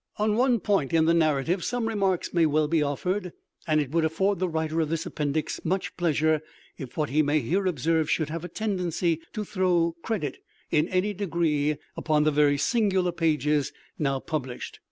On one point in the narrative some remarks may well be offered; and it would afford the writer of this appendix much pleasure if what he may here observe should have a tendency to throw credit, in any degree, upon the very singular pages now published.